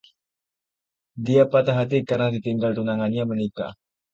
Dia patah hati karena ditinggal tunangannya menikah.